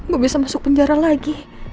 gak bisa masuk penjara lagi